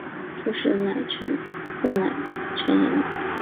朱买臣人。